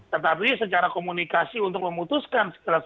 tetapi secara komunikasi untuk memutuskan setelah sesuatunya